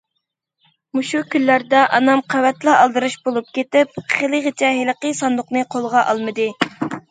مۇشۇ كۈنلەردە ئانام قەۋەتلا ئالدىراش بولۇپ كېتىپ، خېلىغىچە ھېلىقى ساندۇقنى قولىغا ئالمىدى.